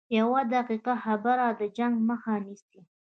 یوه دقیقه خبره د جنګ مخه نیسي